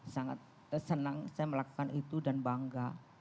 sangat senang saya melakukan itu dan bangga